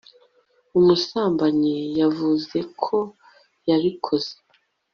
ubusambanyi, yavuze ko yabikoze